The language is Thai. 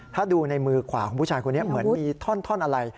ถ้าดูในมือขวาของผู้ชายคนนี้เหมือนมีท่อนอะไร